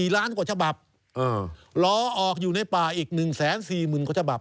ล้านกว่าฉบับรอออกอยู่ในป่าอีก๑๔๐๐๐กว่าฉบับ